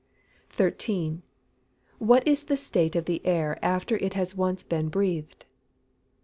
13. _What is the state of the air after it has once been breathed?